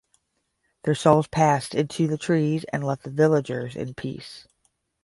Their souls passed into the trees and left the villagers in peace.